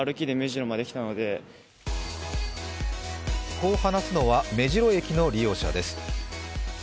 こう話すのは目白駅の利用者です。